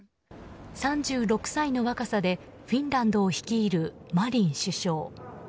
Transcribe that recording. ３６歳の若さでフィンランドを率いるマリン首相。